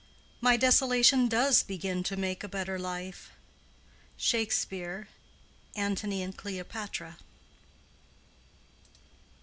"My desolation does begin to make A better life." —SHAKESPEARE: _Antony and Cleopatra.